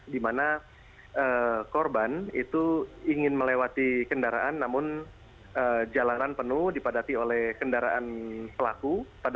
di mana korban itu ingin melewati kendaraan namun jalanan penuh dipadati oleh kendaraan pelaku